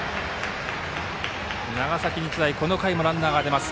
長崎日大この回もランナーが出ます。